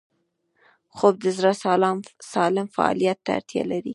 خوب د زړه سالم فعالیت ته اړتیا لري